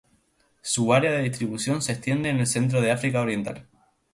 Su área de distribución se extiende en el centro de África Oriental.